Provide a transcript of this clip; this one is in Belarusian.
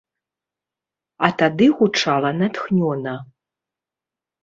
А тады гучала натхнёна.